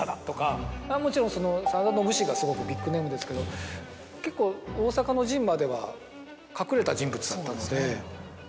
もちろん真田信繁はすごくビッグネームですけど結構大坂の陣までは隠れた人物だったんですね。